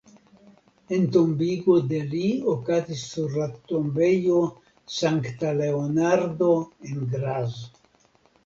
Entombigo de li okazis sur la tombejo Sankta Leonardo en Graz.